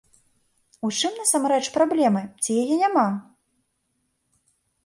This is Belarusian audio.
У чым насамрэч праблема, ці яе няма?